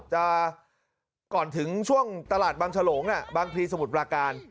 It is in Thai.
จะก่อนถึงช่วงตลาดบางฉลงบางพลีสมุทรปราการ